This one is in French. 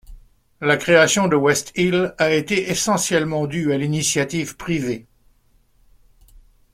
La création de Westhill a été essentiellement due à l'initiative privée.